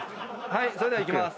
それではいきます。